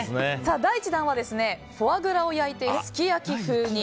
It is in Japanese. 第１弾はフォアグラを焼いてすき焼き風に。